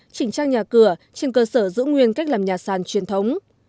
chỉnh trang nhà cửa trên cơ sở giữ nguyên cách làm nhà sàn truyền thống